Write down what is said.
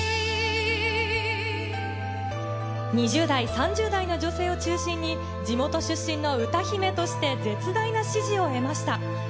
２０代、３０代の女性を中心に、地元出身の歌姫として、絶大な支持を得ました。